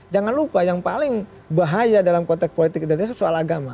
jangan lupa yang paling bahaya dalam konteks politik identitas itu soal agama